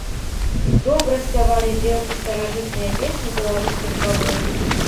Добра спявалі дзеўкі старажытныя песні беларускіх бабуль.